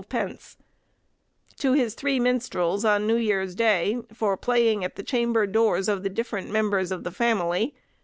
_; to his three minstrels, on New Year's Day, for playing at the chamber doors of the different members of the family £1 3_s.